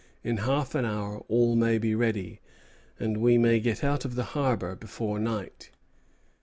In half an hour all may be ready, and we may get out of the harbor before night."